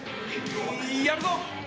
やるぞ！